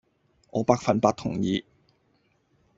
我百份百同意